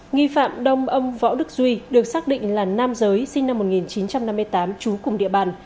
nghi phạm đông ông võ đức duy được xác định là nam giới sinh năm một nghìn chín trăm năm mươi tám trú cùng địa bàn